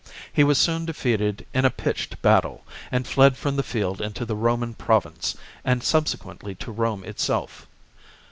He was soon de feated in a pitched battle, and fled from the field into the Roman province, and subsequently to Rome itself.